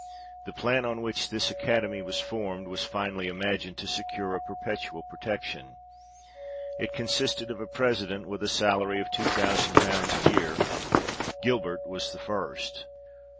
The plan on which this Academy was formed, was finely imagined to secure a perpetual protection. It consisted of a President, with a salary of two thousand pounds a year ; Gilbert was the first.